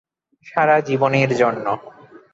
সারা জীবনের জন্য।